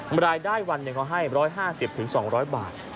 รายได้วันหนึ่งเขาให้๑๕๐๒๐๐บาท